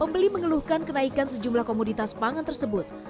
pembeli mengeluhkan kenaikan sejumlah komoditas pangan tersebut